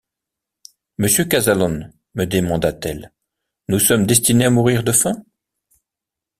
Monsieur Kazallon, me demande-t-elle, nous sommes destinés à mourir de faim?